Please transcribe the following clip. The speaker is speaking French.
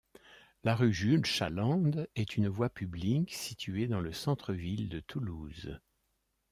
La rue Jules-Chalande est une voie publique située dans le centre-ville de Toulouse.